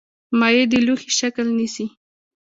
مایع د لوښي شکل نیسي.